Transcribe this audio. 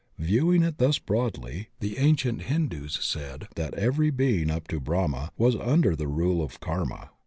Viewing it thus broadly, the ancient Hindus said that every being up to Brahma was under the rule of Karma.